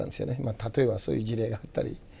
例えばそういう事例があったり。